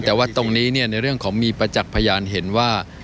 แต่ว่าตรงนี้ในเรื่องของมีประจักษ์พยานเห็นว่า